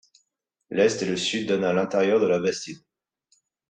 L'est et le sud donnent à l'intérieur de la bastide.